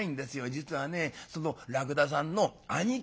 実はねそのらくださんの兄貴